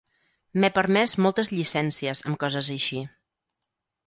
M'he permès moltes llicències amb coses així.